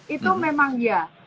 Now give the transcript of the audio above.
itu memang ya